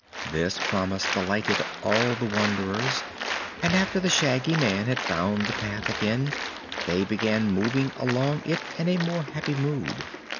This promise delighted all the wanderers and after the Shaggy Man had found the path again they began moving along it in a more happy mood.